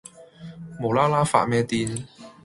無啦啦發咩癲